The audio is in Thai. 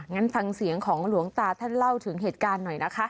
งั้นฟังเสียงของหลวงตาท่านเล่าถึงเหตุการณ์หน่อยนะคะ